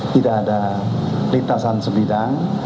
tidak ada lintasan sebidang